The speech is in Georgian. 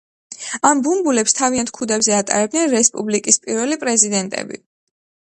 ამ ბუმბულებს თავიანთ ქუდებზე ატარებდნენ რესპუბლიკის პირველი პრეზიდენტები.